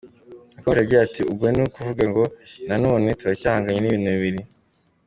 Yakomeje agira ati ‘‘Ubwo ni ukuvuga ngo nanone turacyahanganye n’ibintu bibiri.